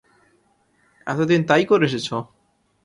এতদিন তাই করে এসেছো।